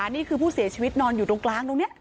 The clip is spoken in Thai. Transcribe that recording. นี่คือผู้เสียชีวิตนอนอยู่ตรงกลางตรงนี้